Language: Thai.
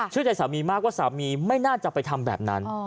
ใจสามีมากว่าสามีไม่น่าจะไปทำแบบนั้น